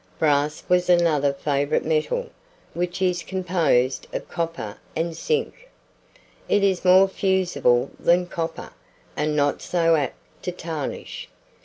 Brass was another favourite metal, which is composed of copper and zinc. It is more fusible than copper, and not so apt to tarnish.